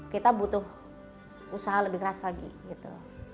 kita butuh usaha lebih keras lagi gitu